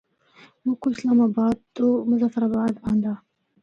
مُکّو اسلام آباد تو مظفرآباد آندا۔